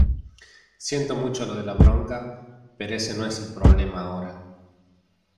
siento mucho lo de la bronca, pero ese no es el problema ahora.